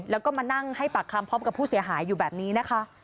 แล้วก็มานั่งให้ปากคำพร้อมกับผู้เสียหายอยู่แบบนี้นะคะ